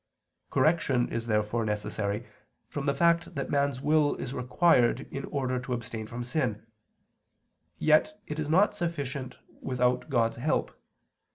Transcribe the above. Correction is therefore necessary, from the fact that man's will is required in order to abstain from sin; yet it is not sufficient without God's help.